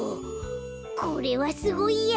これはすごいや！